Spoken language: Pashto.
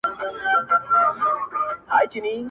• ستا غمونه مي د فكر مېلمانه سي.